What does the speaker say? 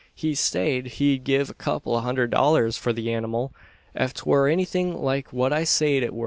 He sayed he'd give a kupple o' hunderd dollars for the anymal, ef 'twur anythin like what I sayed it wur.